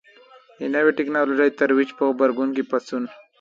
د نوې ټکنالوژۍ ترویج په غبرګون کې پاڅون.